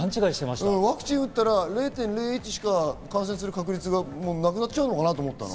ワクチン打ったら０．０１しか感染する確率がなくなっちゃうのかなと思った。